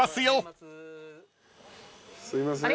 すいません。